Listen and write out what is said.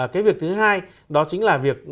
cái việc thứ hai đó chính là việc